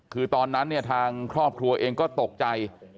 คือตอนนั้นเนี่ยทางครอบครัวเองก็ตกใจ